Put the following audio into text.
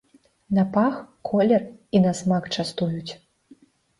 На пах, колер і на смак частуюць.